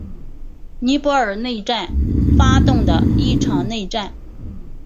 尼泊尔内战发动的一场内战。